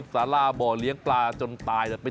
แล้วก็สุดท้ายก็จับมาทำอาหารมันซะเลยให้หายแค้น